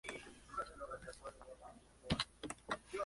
Las hembras ponen uno o dos huevos.